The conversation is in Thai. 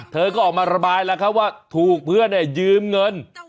เธอก็ออกมาระบายแล้วครับว่าถูกเพื่อนยืมเงิน